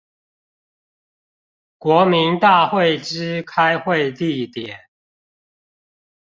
國民大會之開會地點